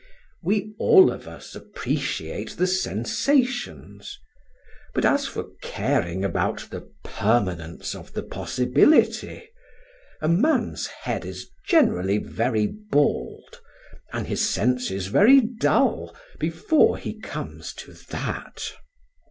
We all of us appreciate the sensations; but as for caring about the Permanence of the Possibility, a man's head is generally very bald, and his senses very dull, before he comes to that.